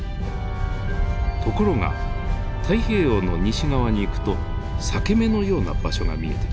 ところが太平洋の西側に行くと裂け目のような場所が見えてきます。